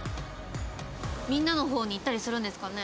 みんなの方に行ったりするんですかね？